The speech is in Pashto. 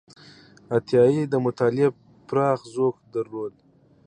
عطایي د مطالعې پراخ ذوق درلود.